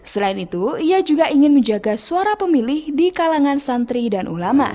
selain itu ia juga ingin menjaga suara pemilih di kalangan santri dan ulama